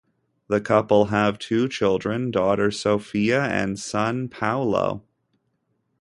The couple have two children, daughter Sophia and son Paolo.